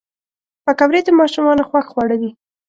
پکورې د ماشومانو خوښ خواړه دي